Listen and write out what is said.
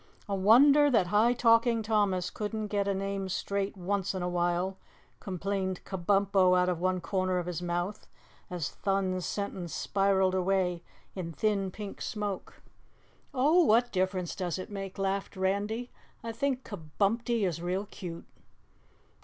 "A wonder that high talking Thomas couldn't get a name straight once in a while!" complained Kabumpo out of one corner of his mouth, as Thun's sentence spiraled away in thin pink smoke. "Oh, what difference does it make?" laughed Randy. "I think 'Kabumpty' is real cute."